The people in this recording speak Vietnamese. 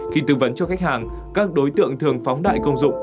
khi tư vấn cho khách hàng các đối tượng thường phóng đại công dụng